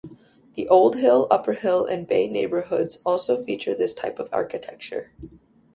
The Old Hill, Upper Hill, and Bay neighborhoods also feature this type of architecture.